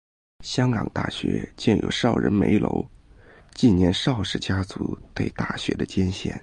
香港大学建有邵仁枚楼纪念邵氏家族对大学的捐献。